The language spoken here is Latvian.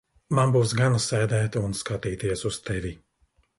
Man būs gana sēdēt un skatīties uz tevi.